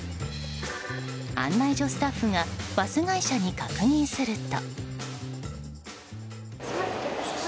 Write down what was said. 案内所スタッフがバス会社に確認すると。